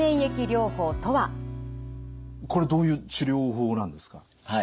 これどういう治療法なんですか？